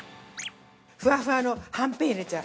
◆ふわふわのはんぺん入れちゃう。